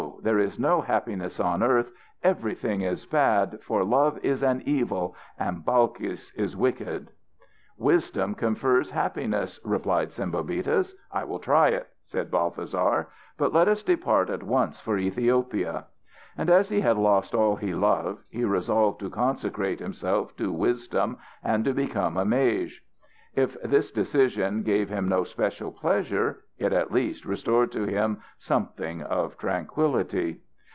there is no happiness on earth, everything is bad, for love is an evil and Balkis is wicked." "Wisdom confers happiness," replied Sembobitis. "I will try it," said Balthasar. "But let us depart at once for Ethiopia." And as he had lost all he loved he resolved to consecrate himself to wisdom and to become a mage. If this decision gave him no especial pleasure it at least restored to him something of tranquillity.